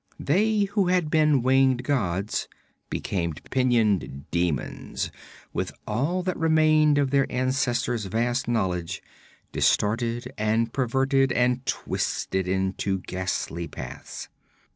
They who had been winged gods became pinioned demons, with all that remained of their ancestors' vast knowledge distorted and perverted and twisted into ghastly paths.